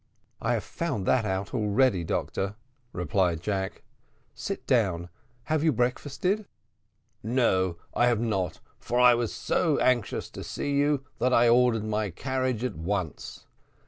"I have found that out already, doctor," replied Jack: "sit down. Have you breakfasted?" "No, I have not; for I was so anxious to see you, that I ordered my carriage at once."